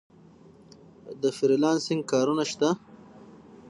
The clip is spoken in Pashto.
د فری لانسینګ کارونه شته؟